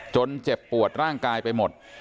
เจ็บปวดร่างกายไปหมด